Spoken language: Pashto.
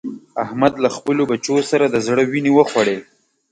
احمد له خپلو بچو سره د زړه وينې وخوړې.